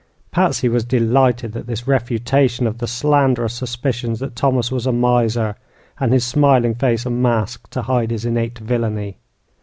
Patsy was delighted at this refutation of the slanderous suspicions that Thomas was a miser and his smiling face a mask to hide his innate villainy.